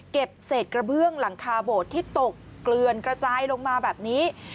เศษกระเบื้องหลังคาโบดที่ตกเกลือนกระจายลงมาแบบนี้